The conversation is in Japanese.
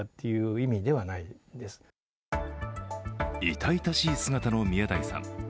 痛々しい姿の宮台さん。